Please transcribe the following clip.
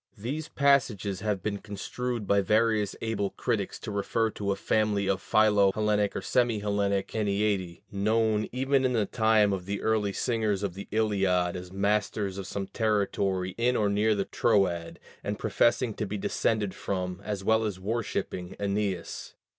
These passages have been construed by various able critics to refer to a family of philo Hellenic or semi Hellenic Æneadæ, known even in the time of the early singers of the Iliad as masters of some territory in or near the Troad, and professing to be descended from, as well as worshipping, Æneas.